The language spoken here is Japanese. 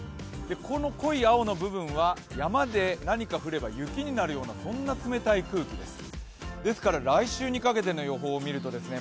この濃い青の部分は山で何か降れば雪になるようなそんな冷たい空気です。